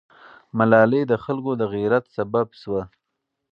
ملالۍ د خلکو د غیرت سبب سوه.